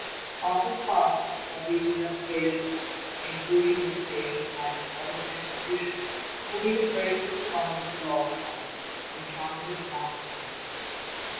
"All the costs of these investigations, including these occasioned by his public execution, will be defrayed from the funds of the law department, on account of his want of means."